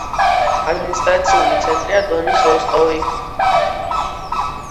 ადმინისტრაციული ცენტრია დონის როსტოვი.